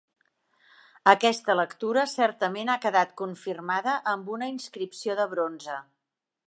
Aquesta lectura certament ha quedat confirmada amb una inscripció de bronze.